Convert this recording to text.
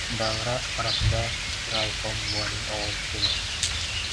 Davra orasida Raykom buvaning ovozi keldi.